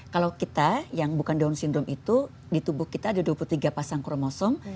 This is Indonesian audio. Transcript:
kalau kita yang bukan down syndrome itu di tubuh kita ada dua puluh tiga pasang kromosom